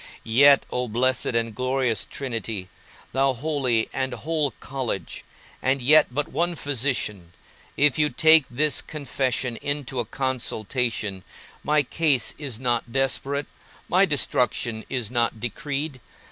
Yet, O blessed and glorious Trinity, O holy and whole college, and yet but one physician, if you take this confession into a consultation, my case is not desperate, my destruction is not decreed.